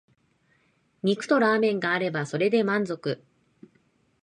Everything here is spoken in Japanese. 肉とラーメンがあればそれで満足